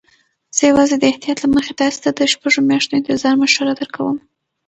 زه یوازې د احتیاط له مخې تاسي ته د شپږو میاشتو انتظار مشوره درکوم.